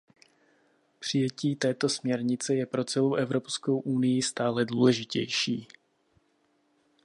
Přijetí této směrnice je pro celou Evropskou unii stále důležitější.